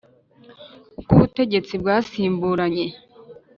, uko ubutegetsi bwasimburanye